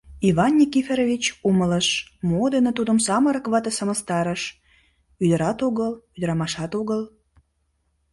Иван Никифорович умылыш, мо дене тудым самырык вате сымыстарыш: ӱдырат огыл, ӱдырамашат огыл.